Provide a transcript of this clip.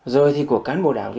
rồi thì của cán bộ đảng